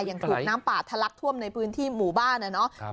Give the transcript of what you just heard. อย่างถึงน้ำปลาทะลักท่วมในพื้นที่หมู่บ้านนะเนาะ